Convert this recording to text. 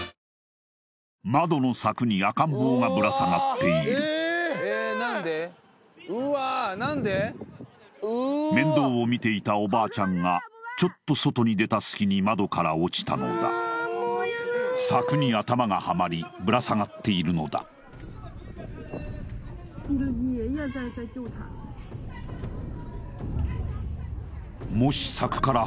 窓の柵に赤ん坊がぶら下がっている面倒を見ていたおばあちゃんがちょっと外に出た隙に窓から落ちたのだ柵に頭がはまりぶら下がっているのだもし柵から外れたら